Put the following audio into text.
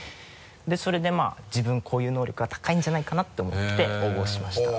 それでまぁ自分こういう能力が高いんじゃないかなって思って応募しました。